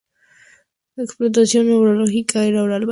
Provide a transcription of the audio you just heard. La exploración neurológica y oral básica, pruebas posicionales.